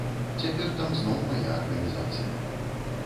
Цяпер там зноў мая арганізацыя.